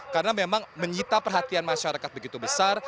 karena memang menyita perhatian masyarakat begitu besar